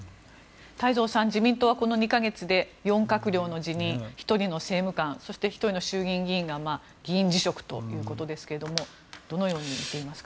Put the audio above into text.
太蔵さん、自民党はこの２か月で４閣僚の辞任１人の政務官そして１人の衆議院議員が議員辞職ということですがどのように見ていますか。